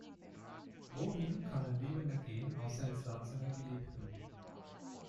Wohin kann ein Liebender gehen außer ins Land seiner Geliebten?